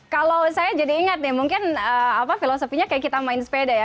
kalau saya jadi ingat nih mungkin filosofinya kayak kita main sepeda ya